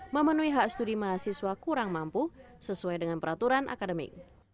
memenuhi hak studi mahasiswa kurang mampu sesuai dengan peraturan akademik